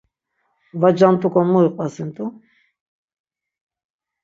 Va cant̆uǩon mu iqvasint̆u.